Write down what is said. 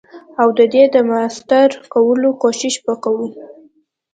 او ددی د ماستر کولو کوښښ به کوو.